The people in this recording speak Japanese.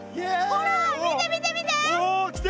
ほら見て見て見て！